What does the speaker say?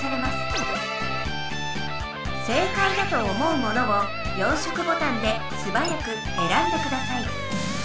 正解だと思うものを４色ボタンですばやくえらんでください。